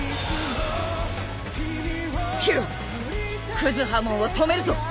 クズハモンを止めるぞ！